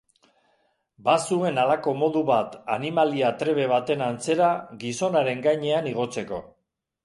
Bazuen halako modu bat animalia trebe baten antzera gizonaren gainean igotzeko.